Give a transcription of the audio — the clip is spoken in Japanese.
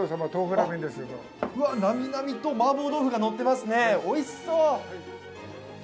なみなみとマーボー豆腐が乗ってますね、おいしそう！